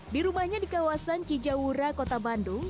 di rumahnya di kawasan cijawura kota bandung